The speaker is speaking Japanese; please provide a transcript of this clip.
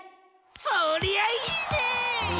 そりゃあいいねえ！